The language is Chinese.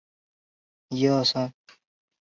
这两座塔设计成可以抵御核爆。